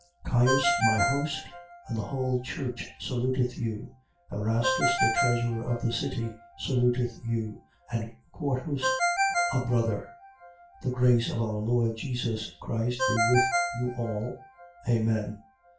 16:23. Caius, my host, and the whole church saluteth you. Erastus, the treasurer of the city, saluteth you: and Quartus, a brother. 16:24. The grace of our Lord Jesus Christ be with you all. Amen.